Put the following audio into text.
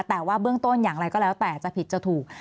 แต่ว่าเบื้องต้นอย่างไรก็แล้วแต่จะผิดจะถูก